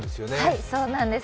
はい、そうなんです。